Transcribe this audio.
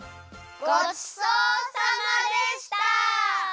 ごちそうさまでした！